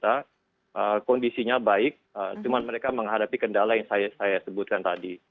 dan laporan dari warga kita kondisinya baik cuma mereka menghadapi kendala yang saya sebutkan tadi